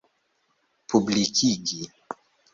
publikigi